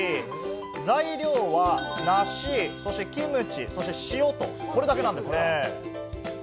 材料は梨、そして、キムチ、そして塩と、これだけなんですね。